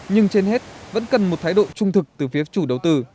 nhưng trên hết vẫn cần một thái độ trung thực từ phía chủ đầu tư